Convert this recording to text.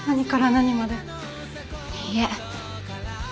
いいえ。